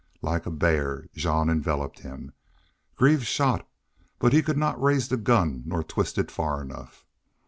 Like a bear Jean enveloped him. Greaves shot, but he could not raise the gun, nor twist it far enough.